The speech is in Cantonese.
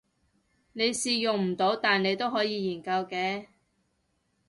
你試用唔到但你都可以研究嘅